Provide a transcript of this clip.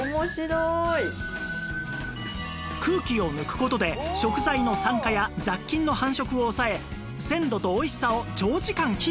空気を抜く事で食材の酸化や雑菌の繁殖を抑え鮮度とおいしさを長時間キープできるんです